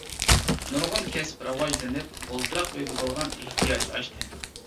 نۇرغۇن كەسىپ راۋاجلىنىپ، ئولتۇراق ئۆيگە بولغان ئېھتىياج ئاشتى.